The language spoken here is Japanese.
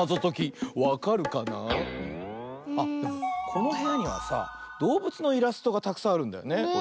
このへやにはさどうぶつのイラストがたくさんあるんだよね。